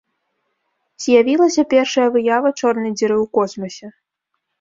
З'явілася першая выява чорнай дзіры ў космасе.